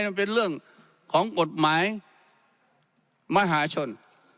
มันเป็นเรื่องของกฎหมายมหาชน